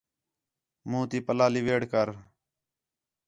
مُنہ تی پَلہ لیویڑ کر